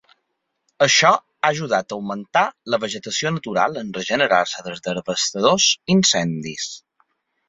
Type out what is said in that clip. Això ha ajudat a augmentar la vegetació natural en regenerar-se dels devastadors incendis.